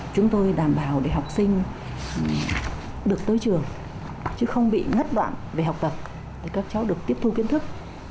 chúng tôi đảm bảo để học sinh được tới trường chứ không bị ngất đoạn về học tập các cháu được tiếp thu kiến thức